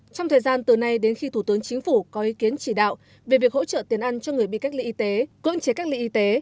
trong thời gian từ nay đến khi thủ tướng chính phủ có ý kiến chỉ đạo về việc hỗ trợ tiền ăn cho người bị cách ly y tế cưỡng chế cách ly y tế